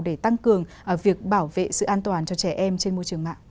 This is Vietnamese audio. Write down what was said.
để tăng cường việc bảo vệ sự an toàn cho trẻ em trên môi trường mạng